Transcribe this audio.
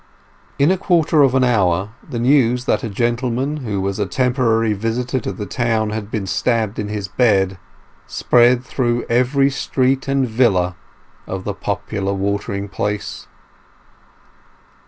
In a quarter of an hour the news that a gentleman who was a temporary visitor to the town had been stabbed in his bed, spread through every street and villa of the popular watering place.